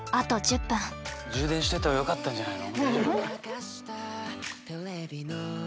充電しといた方がよかったんじゃないの？